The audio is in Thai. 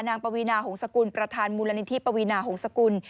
ปวีนาหงษกุลประธานมูลนิธิปวีนาหงษกุล